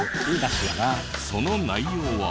その内容は。